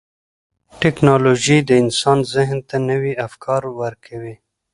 ټکنالوجي د انسان ذهن ته نوي افکار ورکوي.